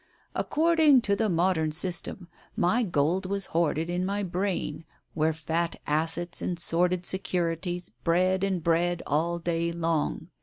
Accord ing to the modern system, my gold was hoarded in my brain, where fat assets and sordid securities bred and bred all day long.